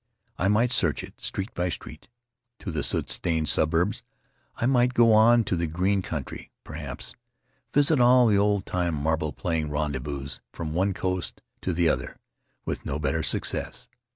I might search it, street by street, to the soot stained suburbs; I might go on to the green country, perhaps; visit all the old time marble playing rendezvous from one coast to the other, with no better success.